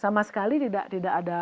sama sekali tidak ada